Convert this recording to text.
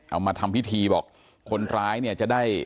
เอามาทำพิธีบอกคนร้ายเนี่ยจะได้